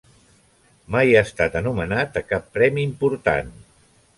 Mai ha estat anomenat a cap premi important.